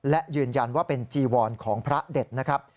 และยืนยันว่าเป็นจีวรของพระเด็ดนะครับ